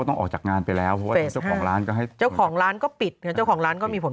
ต้องออกจากงานไปแล้วเจ้าของร้านก็ปิดเจ้าของร้านก็มีผล